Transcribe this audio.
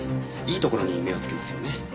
いいところに目をつけますよね。